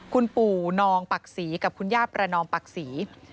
คุณปู่นองปักศรีกับคุณย่าประนอมปักศรี